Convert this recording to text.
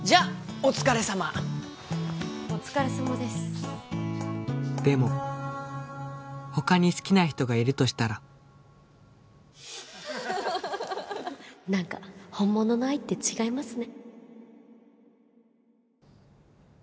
お疲れさまお疲れさまですでも他に好きな人がいるとしたら何か本物の愛って違いますね